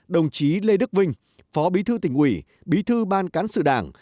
đồng chí lê đức vinh phó bí thư tỉnh ủy bí thư ban cán sự đảng